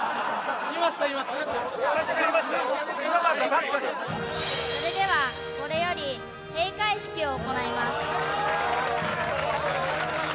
確かにそれではこれより閉会式を行います